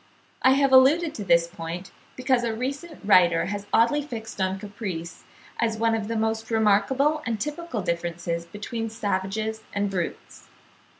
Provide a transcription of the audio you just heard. I have alluded to this point, because a recent writer (73. 'The Spectator,' Dec. 4th, 1869, p. 1430.) has oddly fixed on Caprice "as one of the most remarkable and typical differences between savages and brutes."